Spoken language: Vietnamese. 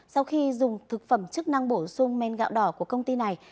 sau khi dùng thực phẩm chức năng bổ sung men gạo đỏ của công ty này